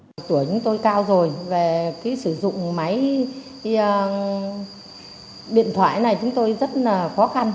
tuổi chúng tôi cao rồi về sử dụng máy điện thoại này chúng tôi rất khó khăn